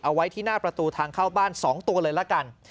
เอาไว้ที่หน้าประตูทางเข้าบ้าน๒ตัวเลยละกัน